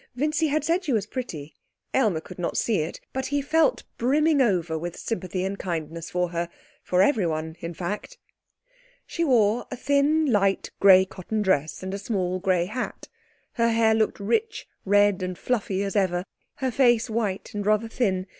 Vincy had said she was pretty. Aylmer could not see it. But he felt brimming over with sympathy and kindness for her for everyone, in fact. She wore a thin light grey cotton dress, and a small grey hat; her hair looked rich, red, and fluffy as ever; her face white and rather thin.